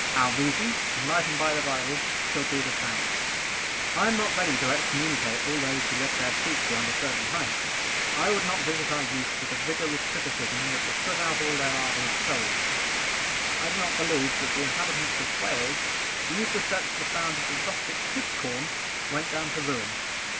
Our reason, enlightened by the Bible, shall be the standard. I am not ready to excommunicate all those who lift their feet beyond a certain height. I would not visit our youth with a rigor of criticism that would put out all their ardor of soul. I do not believe that all the inhabitants of Wales, who used to step to the sound of the rustic pibcorn, went down to ruin.